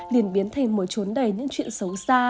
liền biến thành một chốn đầy những chuyện xấu xa